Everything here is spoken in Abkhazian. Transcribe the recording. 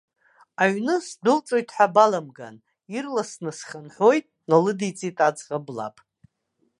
Аҩны сдәылҵуеит ҳәа баламган, ирласны схынҳәуеит, иналыдиҵеит аӡӷаб лаб.